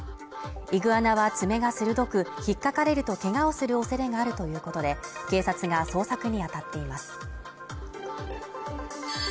イグアナは爪が鋭く、引っかかれると怪我をする恐れがあるということで、警察が捜索にあたっています。